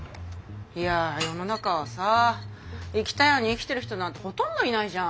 いや世の中はさ生きたいように生きてる人なんてほとんどいないじゃん。